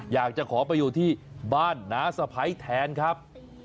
อยากจะขอไปอยู่ที่บ้านน้าสะพ้ายแทนครับ